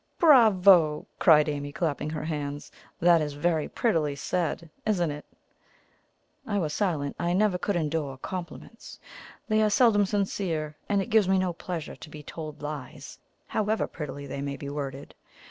"Bravo!" cried Amy, clapping her hands. "That is very prettily said, isn't it?" I was silent. I never could endure compliments. They are seldom sincere, and it gives me no pleasure to be told lies, however prettily they may be worded.